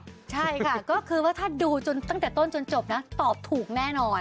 ใช่ค่ะก็คือว่าถ้าดูจนตั้งแต่ต้นจนจบนะตอบถูกแน่นอน